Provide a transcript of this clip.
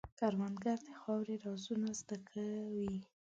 کروندګر د خاورې رازونه زده کوي